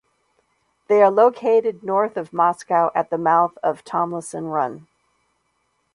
They are located north of Moscow at the mouth of Tomlinson Run.